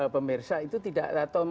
pemirsa itu tidak tau